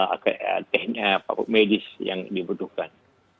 akhirnya pak medis yang dibutuhkan